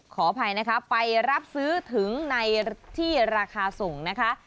ขออภัยนะคะไปรับซื้อถึงในที่ราคาส่งนะคะ